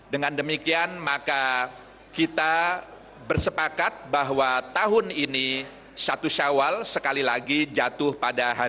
dengan demikian maka kita bersepakat bahwa tahun ini satu syawal sekali lagi jatuh pada hari ini